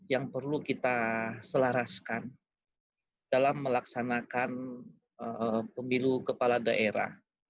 yang perlu kita selaraskan dalam melaksanakan pemilu kepala daerah